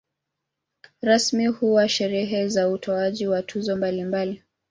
Rasmi huwa sherehe za utoaji wa tuzo mbalimbali.